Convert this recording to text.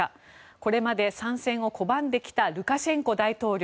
これまで参戦を拒んできたルカシェンコ大統領。